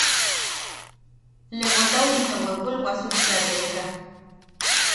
Legotau into bwepul wasuktia beʼeka.